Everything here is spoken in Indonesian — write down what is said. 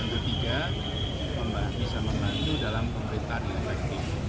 dan ketiga bisa membantu dalam pemerintah di efektif